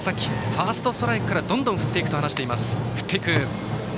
ファーストストライクからどんどん振っていくと話します。